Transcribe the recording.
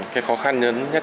cái khó khăn nhất